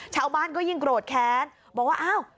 ชาวบ้านก็ยิ่งโกรธแค้นบอกว่าอ้าว